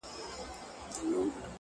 هوا ژړيږي له چينار سره خبرې کوي_